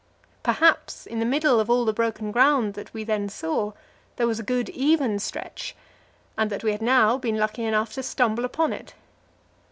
Perhaps in the middle of all the broken ground that we then saw there was a good even stretch, and that we had now been lucky enough to stumble upon it.